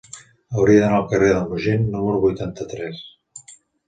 Hauria d'anar al carrer del Mogent número vuitanta-tres.